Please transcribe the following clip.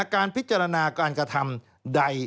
การพิจารณาการกระทำใด